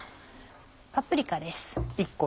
パプリカです。